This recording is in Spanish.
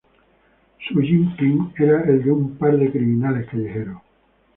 Su gimmick era el de un par de criminales callejeros.